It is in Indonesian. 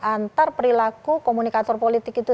antar perilaku komunikator politik itu